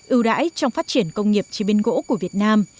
ưu đãi trong phát triển công nghiệp trên bên gỗ của việt nam